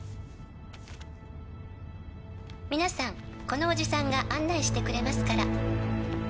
「皆さんこのおじさんが案内してくれますから」